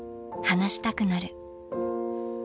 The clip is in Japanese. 話したくなる。